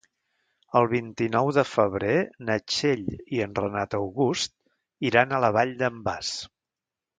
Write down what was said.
El vint-i-nou de febrer na Txell i en Renat August iran a la Vall d'en Bas.